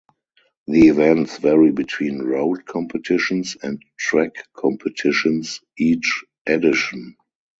The events vary between road competitions and track competitions each edition.